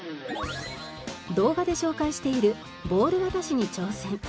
動画で紹介しているボール渡しに挑戦。